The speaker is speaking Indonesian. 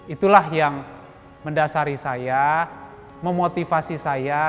itulah yang mendasari saya memotivasi saya